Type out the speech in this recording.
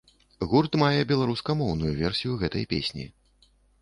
Гурт мае беларускамоўную версію гэтай песні.